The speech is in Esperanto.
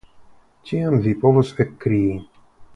Tiam vi povos ekkrii.